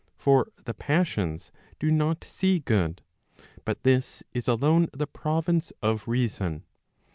For the passions do not see good, but this is alone the province of reason.